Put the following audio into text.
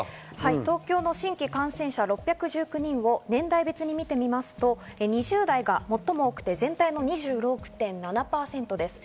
東京の新規感染者６１９人を年代別に見てみますと、２０代が最も多くて全体の２６．７％です。